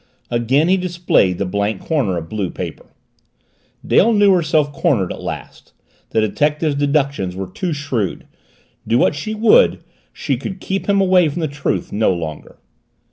Again he displayed the blank corner of blue paper. Dale knew herself cornered at last. The detective's deductions were too shrewd; do what she would, she could keep him away from the truth no longer.